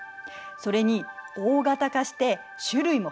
それに大型化して種類も増えたの。